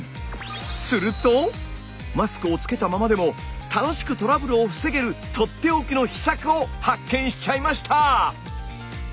するとマスクをつけたままでも楽しくトラブルを防げるとっておきの秘策を発見しちゃいました！